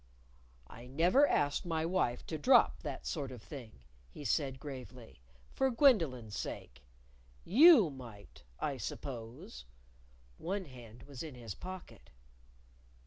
"I never asked my wife to drop that sort of thing," he said gravely, " for Gwendolyn's sake. You might, I suppose." One hand was in his pocket.